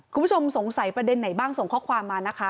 คุณผู้ชมสงสัยประเด็นไหนบ้างส่งข้อความมานะคะ